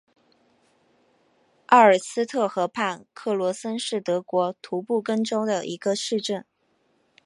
埃尔斯特河畔克罗森是德国图林根州的一个市镇。